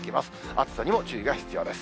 暑さにも注意が必要です。